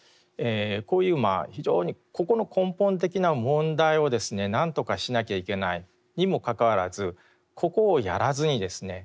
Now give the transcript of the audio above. こういうまあ非常にここの根本的な問題をですね何とかしなきゃいけないにもかかわらずここをやらずにですね